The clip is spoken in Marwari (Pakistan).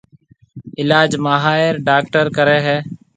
علاج ماھر ڊاڪٽر ڪرَي ھيََََ